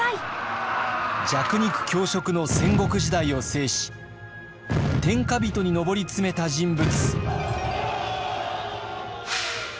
弱肉強食の戦国時代を制し天下人に上り詰めた人物。